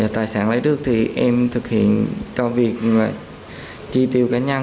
tài sản lấy nước thì em thực hiện cho việc chi tiêu cá nhân